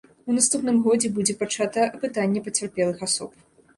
У наступным годзе будзе пачата апытанне пацярпелых асоб.